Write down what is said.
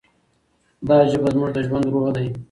دا ژبه زموږ د ژوند روح دی.